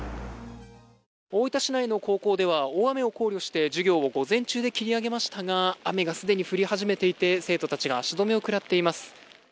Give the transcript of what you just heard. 大分市内の高校では、大雨を考慮して授業を午前中で切り上げましたが雨が既に降り始めていて生徒たちが足止めを食らっています。